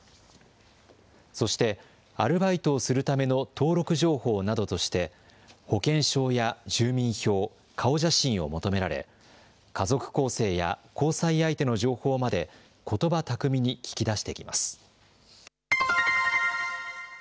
そしてアルバイトをするための登録情報などとして、保険証や住民票、顔写真を求められ、家族構成や交際相手の情報まで、ことば巧みに聞き出してきます。